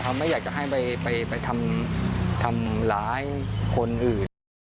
เขาไม่อยากจะให้ไปทำร้ายคนอื่น